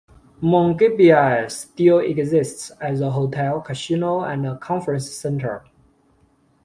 Munkebjerg still exists as a hotel, casino and conference centre.